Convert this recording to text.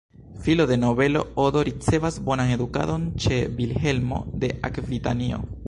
Filo de nobelo, Odo ricevas bonan edukadon ĉe Vilhelmo de Akvitanio.